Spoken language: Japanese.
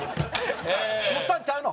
とっさんちゃうの？